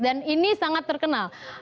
dan ini sangat terkenal